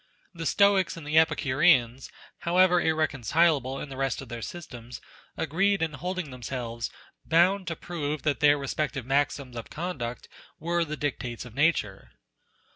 The Stoics and the Epicureans, however irreconcilable in the rest of their systems, agreed in holding themselves bound to prove that their respective maxims of conduct were the dictates of nature.